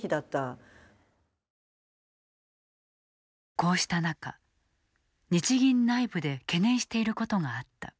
こうした中日銀内部で懸念していることがあった。